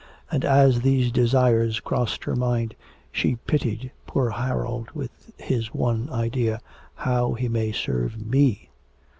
And, as these desires crossed her mind, she pitied poor Harold with his one idea, 'how he may serve me.'